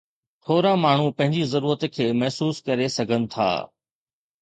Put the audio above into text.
ٿورا ماڻهو پنهنجي ضرورت کي محسوس ڪري سگھن ٿا.